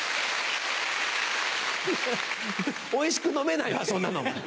おいしく飲めないわそんなの。